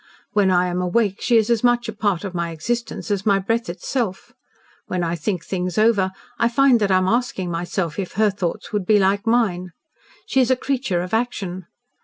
"When I am awake, she is as much a part of my existence as my breath itself. When I think things over, I find that I am asking myself if her thoughts would be like mine. She is a creature of action.